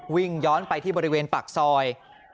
วิ่งย้อนไปที่บริเวณปากซอย